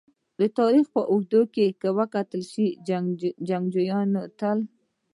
د تاریخ په اوږدو کې که وکتل شي! جنګونه تل